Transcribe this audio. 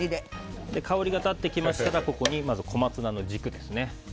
香りが立ってきましたらまずコマツナの軸ですね。